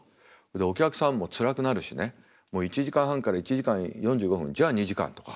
「お客さんもつらくなるしねもう１時間半から１時間４５分じゃあ２時間」とか。